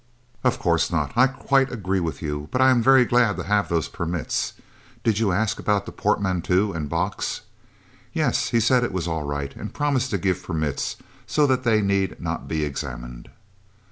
"Of course not. I quite agree with you, but I am very glad to have those permits. Did you ask about the portmanteau and box?" "Yes. He said it was all right, and promised to give permits, so that they need not be examined."